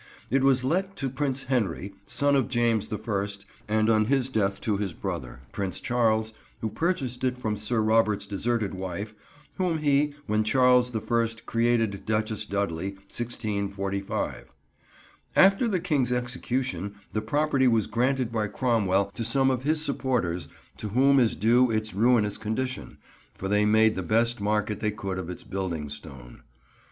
It was let to Prince Henry, son of James the First, and on his death to his brother, Prince Charles, who purchased it from Sir Robert's deserted wife, whom he, when Charles the First, created Duchess Dudley, 1645. After the King's execution the property was granted by Cromwell to some of his supporters, to whom is due its ruinous condition, for they made the best market they could of its building stone.